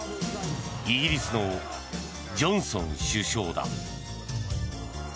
イギリスのジョンソン首相だ。